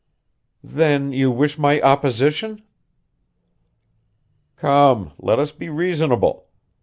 "Then you wish my opposition?" "Come, let us be reasonable.